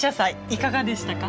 いかがでしたか？